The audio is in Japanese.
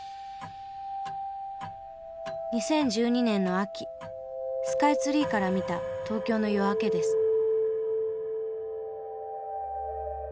２０１２年の秋スカイツリーから見た東京の夜明けです。